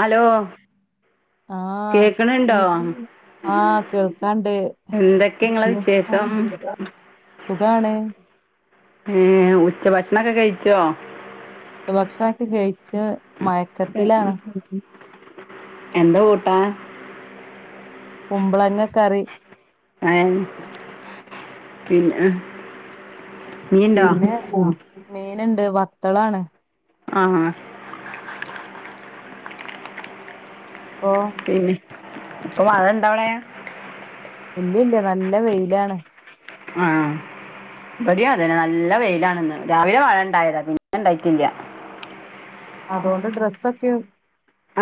Hello ആഹ് കേക്കണുണ്ടോ ആഹ് കേൾക്കാണ്ട് എന്തൊക്കെ ഇങ്ങളെ വിശേഷം [unintelligible] സുഖാണ് അയേ ഉച്ച ഭക്ഷണൊക്കെ കഴിച്ചോ ഉച്ച ഭക്ഷണൊക്കെ കഴിച്ച് എ- മയക്കത്തിലാണ് എന്താ ക്കൂട്ടാൻ കുമ്പളങ്ങ കറി അയെ പിന്ന പിന്നെ ആഹ് മീന്ണ്ട് വത്തളാണ് ആഹ് ഓഹ് ഉം ഇപ്പൊ മഴണ്ടവിടെ ഇല്ലില്ല നല്ല വെയിലാണ് ആഹ് ഇബ ടി അതന്നെ നല്ല വെയിലാണ്. ഇന്ന് രാവിലെ മഴ ഇണ്ടായതാ പിന്നെ ഉണ്ടില്ല. അതുകൊണ്ട് ഡ്രസ്സൊക്കെ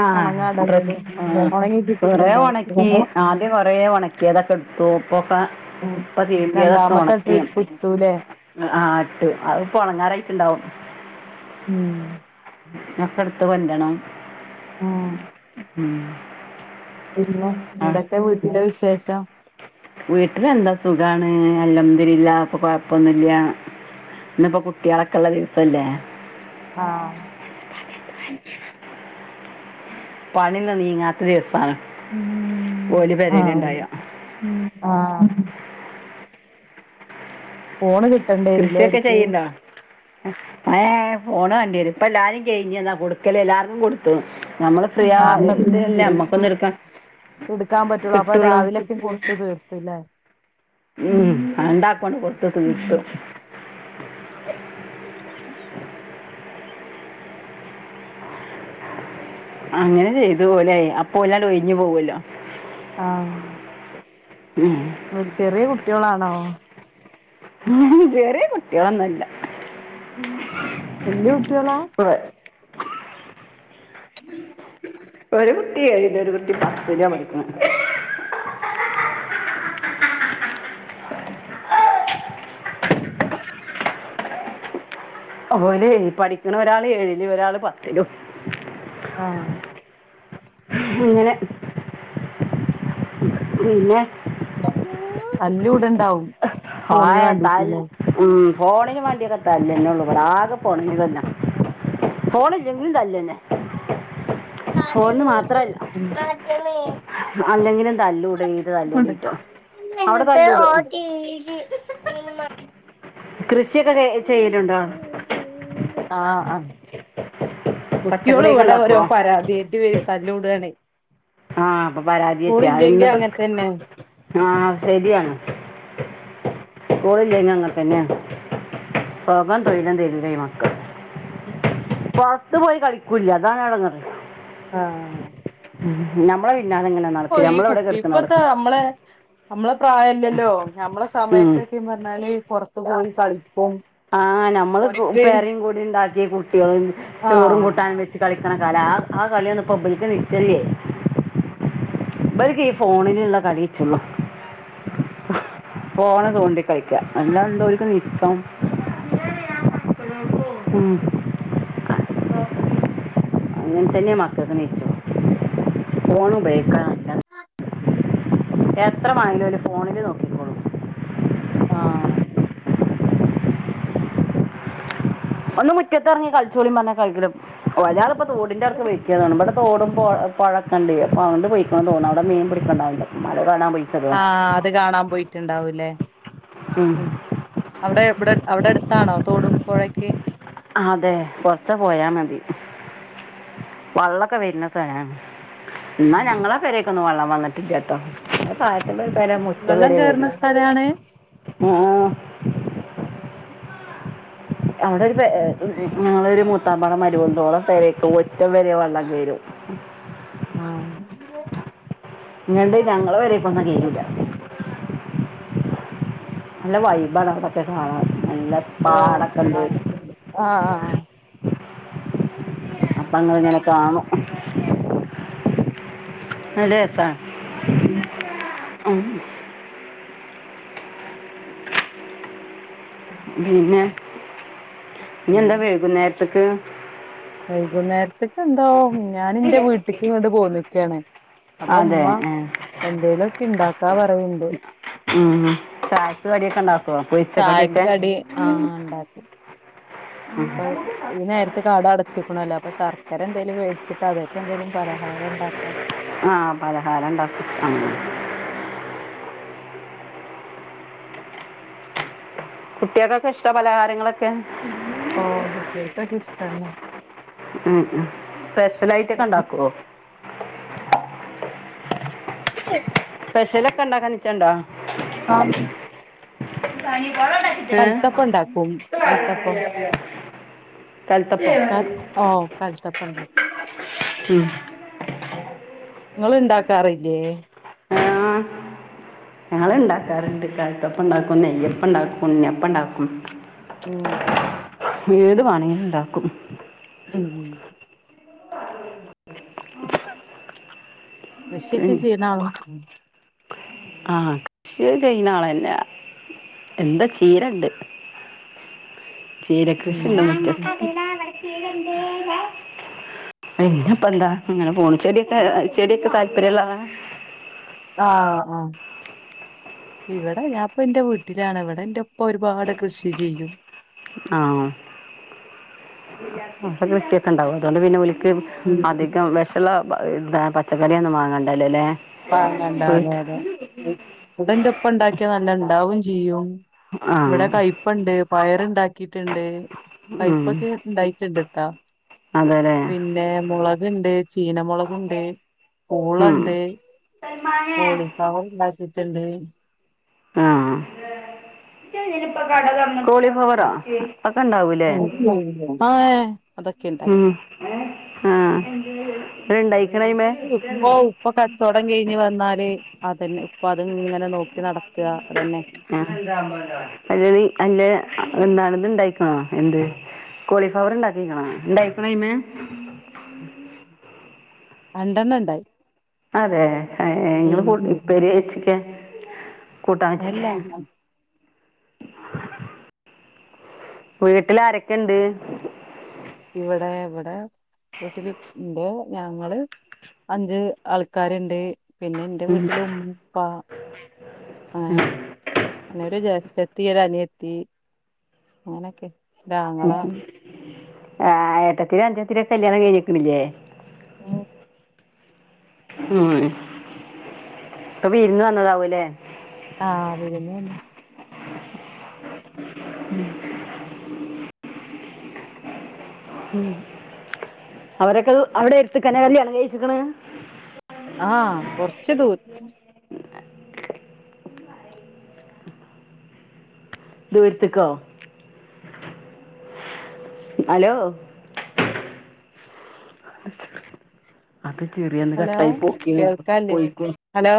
ആഹ് ഒണങ്ങാടത് ഡ്രസ്സോ ക്കെ ഒണങ്ങി ആ കൊറേ കിട്ടിട്ടുണ്ടാവും ഉണക്കി. ആ കൊറെ ഉണക്കിയതൊക്കെ എടുത്തു. ഇപ്പൊക്കെ ഉം ഇപ്പ തിരുമ്പിയതൊക്കെ രണ്ടാമത്തെ ഉണക്കിയ ട്രിപ്പ് ഇട്ടൂലേ ആഹ് ഇട്ട് അത് ഉ ണങ്ങാറായിണ്ടാവും. ഉം ഞക്കെ എടുത്ത് കൊണ്ടരണം. ആഹ് ഉ പിന്നെ എന്തൊക്കെ വീട്ടിലെ വിശേഷം? വീട്ടില എന്താ സുഖാണ്. അൽ അദുലില്ലാഹ് ഇ പ്പൊ സുഖമാണ്. കൊഴപ്പൊന്നില്ല. ഇന്നപ്പോ കുട്ടികളൊക്കെ ഉള്ള ദിവസല്ലേ. ആഹ് അതെ പണിന്ന് നീങ്ങത്ത ദിവസാണ്. ഓലി ആഹ് പരേലുണ്ടായ ആഹ് ഫോണ് കിട്ടേണ്ടി വരില്ലേ ഓല് ക്ക്. ആഹ് ഏ ഫോണ് വേ ണ്ടി വരും. ഇപ്പ എല്ലാരും കഴിഞ്ഞത്. എന്നാ കൊടുക്കല് എല്ലാർക്കും കൊടുത്തു. നമ്മള് ഫ്രീ നാപ ത്തി ആയിട്ടല്ലേ നമ്മക്കൊന്നും എടുക്കാൻ കൊ ടുക്കാൻ പറ്റുള്ളു. അപ്പൊ കിട്ടുള്ളൂ രാവിലെയൊക്കെ കൊടുത് ത്ത് ല്ലെ ഉം രണ്ടാക്കാണ് കൊടുത്ത് തീർത്തു. അങ്ങനെ ചെയ്തു ലെ അപ്പൊ അവര് ഒഴഞ്ഞങ്ങ് പോവല്ലോ. ആഹ് ഉം ഓല് ചെറിയ കുട്ടികളാണോ? ഉം ചെറ്യേ കുട്ടികളൊന്നുമല്ല വല്ലിയ കുട്ടികളാ. ഉവ്വ് ഒരു കുട്ടി ഏഴില്. ഒരു കുട്ടി പത്തിലാ പഠിക്കണെ. ഓലെ പഠിക്കണ ഒരാള് ഏഴിലും ഒരാള് പത്തിലും. ആഹ് ഇങ്ങനെ പിന്നെ അല്ലൂ തല്ലൂടണ്ടാവും. ഫോണിന് ഓയെ തൽ വേണ്ടീട്ടില്ലേ ഉം ഫോണിന് വേണ്ടിയൊക്കെത്താല്ലന്നെ ഉള്ളൂ. ഇവിടെ ആകെ ഫോണിന് തന്നാ ഫോണില്ലെങ്കിൽ തല്ലന്നേ അല്ലെങ്കിലും തല്ലൂടിയിട്ട് തല്ലൂടിയിട്ട് അവിടെ തല്ലൂടും ഇമ്മ കൃഷിയൊക്കെ ചെ ചെയ്യലുണ്ടോ? ആഹ്- ആഹ് കുട്ട്യോള് പച്ചക്കറിയൊക്കെ ഇവിടെ ഓരോ ഉണ്ടാക്കുവോ പരാതിയായിട്ട് വെ തല്ലുകൂടാണെ. ആഹ് അപ്പൊ പരാതിയെത്തിയ ഇന്നപ്പോ അങ്ങനെ തന്നെ ആഹ് ശരിയാണ്. പോയില്ലയിനങ്ങത്തന്നെയാ സൊഗം തൊഴിലും തരില്ല ഈ മക്ക ഉം പൊറത്ത് പോയി കളിക്കൂല്ല. അതാണ് എടങ്ങറ് ആഹ് ഉം നമ്മളെ വീട്ടിനാത്തെങ്ങനാ ഓ ഈ കുട്ടി ഇപ്പത്താ നമ്മളെ നമ്മള പ്രായല്ലല്ലോ ഞമ്മളെ ഉം. സമയത്തൊക്കെയും പറഞ്ഞാല് പൊറത്തു പോയി കളിക്കും ആഹ് നമ്മള് കു ഓര്ക്ക് പേറയും കൂടിയുണ്ടാക്കി കുട്ടികളും ചോറും ആഹ് കൂട്ടാനും വെ ച്ച് കളിക്കണ കാലാ ആഹ് കളിയൊന്നും ഇപ്പ ഇബൾക്ക് നിച്ചല്ലേ ഇബർക്ക് ഈ ഫോണിനുള്ള കളിനുള്ളൂ ഉം ഫോണ് തോണ്ടി കളിക്കാ അല്ലാതെന്തുവാ ഓര്ക്ക് നിച്ചം ഉം അങ്ങനെ തന്നെയാ മക്കക്ക് നിച്ചോ ഫോൺ ഉപയോഗിക്കണം അല്ലാ എത്ര മൈലോല് ഫോണില് നോക്കി ആഹ് ഒന്ന് മുറ്റത്ത് എറങ്ങി കളിച്ചോളി പറഞ്ഞാ കളിക്കൂല ഒരാൾ ഇപ്പൊ തോടിന്റെ ക്കെ വെയ്റ്റ് ചെയ്തോണം ഇവിടെ തോടും പൊ പൊഴക്കണ്ട് അപ്പ അവണ്ട് പൊയ്ക്കൊ തോന്നും അവിടെ മീൻ പിടിക്കണ്ടാവും ചെക്കൻമാര് അത് കാണാൻ പോയി ആഹ് അത് കാണാൻ പോയിട്ടുണ്ടാവുല്ലേ ഉം അവിടെ എവിടെ അവിടെ അടുത്താണോ തോടും പുഴയൊക്കെ അതെ കൊറച്ച പോയാ മതി വള്ളൊക്കെ വരുന്നസ്ഥലാണ് ന്നാ ഉം ഞങ്ങളെ പേരേക്കൊന്നും വള്ളം വന്നിട്ടില്ലാട്ടോ [unintelligible] പെര മുറ്റം വെള്ളം വരെ വരൂ കേറുന്ന സ്ഥലാണ് അവിടെ ഒരു പെ ഏഹ് ഞങ്ങളെ ഒരു മൂത്താമ്മേടെ മരുമോളൊണ്ട് ഓളെ പെരയൊക്കെ മുറ്റം വരെ വെള്ളം കയറും ആഹ് ഇങ്ങണ്ട് ഞങ്ങളെ പേരേക്കൊന്നും കെയറൂല്ല നല്ല വൈബാണ് അവിടൊക്കെ കാണാൻ നല്ല ഓ പാടൊക്കെ ആഹ്- ഉണ്ട് ആഹ്- ആഹ് -ആഹ് വന്നതിങ്ങനെ കാണും നല്ല രസാണ് അം പിന്നെ ഇന്ന്ന്താ വേകുന്നേരത്തേക്ക് വൈകുന്നേരത്ത്ക്ക്ന്തോ ഞാന് ൻറെ വീട്ട്ക്ക് ഇങ്ങട് പോന്ന്ക്കാണ്. അപ്പൊ അതെ മ്മ ഉം. എന്തേലുഒക്കെ ണ്ടാക്കാ പറയ്ണ്ട്. ഉം ചായക്ക് കടിയൊക്കെ ഉണ്ടാക്കോ ചായക്ക് പൊരിച്ചക്കടിയൊക്കെ കടി ഉണ്ടാക്കും ആഹ് ഈ നേരത്തു കട അടച്ചിക്കണല്ലോ അപ്പൊ ശർക്കരന്തേലും മേടിച്ചിട്ട് അതായിട്ട് എന്തേങ്കലും പലഹാരം ണ്ടാക്കാം. ആഹ പലഹാരണ്ടാക്ക കുട്ടിാക്കൊക്കെ ഇഷ്ടാ പലഹാരങ്ങളൊക്കെ? ഓ കുട്ടികക്കൊക്കെ ഇഷ്ട നൊ ഉം ഉ സ്പെഷ്യൽ ആയിട്ടൊക്കെ ഉണ്ടാക്കോ [inaudible] സ്പെഷ്യല് ഒക്കെ ണ്ടാക്കാൻ നിച്ചണ്ടോ ആഹ് കൽത്തപ്പം ഉണ്ടാക്കും കൽത്തപ്പം [unintelligible] കൽത്തപ്പം ക ഓ കാൽത്തപ്പം. ഉം നിങ്ങള് ണ്ടാക്കാറില്ലേ? ആഹ് ഞങ്ങള് ഇണ്ടാക്കാറുണ്ട് കൽതപ്പം ഇണ്ടാക്കും, നെയ്യപ്പണ്ടാക്കും, ഉണ്ണിയപ്പണ്ടാക്കും. ഉം ഏത് വണെകിലും ണ്ടാക്കും ഉം ഉം കൃഷിക്കെ ഉം. ചെയ്യുന്ന ആ ആഹ് കൃഷി ചെയ്യുന്നാളന്നെ എന്താ ചീരണ്ട് ചീര കൃഷി ഇണ്ട് ആ ഇങ്ങക്ക് ഉം അറീല ഇവ്ടെ ചീരണ്ട് വ്ടെ പിന്നെ ഇപ്പ എന്താ ഇങ്ങനെ പോണ് ചെടിയൊക്കെ ചെടിയൊക്കെ താല്പര്യം ഉള്ള ആള ആഹ് ആഹ് ഇവിടെ ഞാൻപ്പ എന്റെ വീട്ടിലാണ് ഇവിടെ എന്റെ ഉപ്പ ഒരുപാട് കൃഷി ചെയ്യും. ആഹ കൃഷിയൊക്കെ ഉണ്ടാവും അതുകൊണ്ട് പിന്നെ ഓൽ ക്ക് അധികം വിഷമുള്ള ഇ പച്ചക്കറിയൊന്നും വാങ്ങണ്ടല്ലേല്ലേ വാങ്ങണ്ട അതെ അതെ ഇതെന്റെ ഒപ്പ ഇണ്ടാക്കിയാ നല്ല ഇണ്ടാവും ചെയ്യും ആ ഇവിടെ കൈപ്പണ്ട് പയർണ്ടാക്കിട്ട്ണ്ട് കൈപ്പൊക്കെ ഉണ്ടായിട്ടുണ്ട്ട്ടാ അതെല പിന്നെ മുളക്ണ്ട്, ചീന മുളകുണ്ട്, ഉം പൂളണ്ട്, സൽമാനെ കോളിഫവർ ഇണ്ടാക്കിയിട്ടുണ്ട് ആ കോളിഫ്ലവറോ ഒക്കെ ഇണ്ടാവൂല്ലേ? [unintelligible] മാ ഉ ആഹ് ണ്ടയിക്കണായിമെ. ഉമ്മോ ഉപ്പൊ കചൊടം കഴിഞ്ഞ് വന്നാല്. അതന്നെ ഇപ്പൊ അത് ഇങ്ങനെ നോക്കി നടത്ത അതന്നെ ആ അല്ല അല്ല എന്താണത് ഉണ്ടായിക്കണോ എന്ത് കോളിഫ്ലവർ ഉണ്ടാക്കിക്കണോ എന്തായിക്കണ്മേ രണ്ടണം ഉണ്ടായി അതെ ഉം നിങ്ങള്ൾ ഇപ്പര് ചച്ചിക്കാ എല്ലാം വീട്ടിൽ ആരക്കെണ്ട് ഇവിടെ ഇവിടെ വീട്ടില് ന്റെ ഞങ്ങള് അഞ്ച് ആൾക്കാരുണ്ട് പിന്നെ ഇന്റെ വീട്ടില ഉമ്മപ്പ അങ്ങനെ ഇവ്ടെ ജേഷ്ടത്തി ഒരനിയത്തി അങ്ങനക്കെ ഉ ആ ഏട്ടത്തിര അഞ്ചത്തിര കല്യാണം കഴിഞ്ഞക്കണില്ലേ ഉം ഉം അപ്പൊ ഇരുന്ന് വന്നതാവൂല്ലേ ആഹ് വിരുന്ന് വെന്ന ഉ അവരൊക്കെ അവിടെ എടുത്ത് കേ ആണ് കല്യാണം കഴച്ചിക്കണ ആഹ കൊറച്ച് ദൂ ദൂര്ത്ക്കോ ഹലോ അത് ചെറിയന്ന് ഹലോ കട്ടായി പൊക്ക കേൾക്കാല്ലേ പോയിക്ക ഹലോ